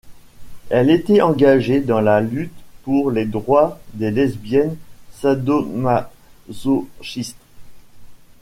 Elle était engagée dans la lutte pour les droits des lesbiennes sadomasochistes.